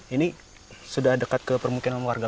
ini sudah dekat ke permukiman warga